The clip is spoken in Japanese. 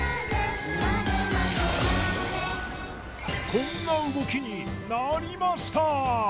こんな動きになりました！